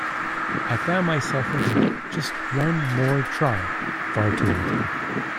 I found myself thinking 'just one more try' far too often.